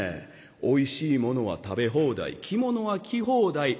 おいしいものは食べ放題着物は着放題。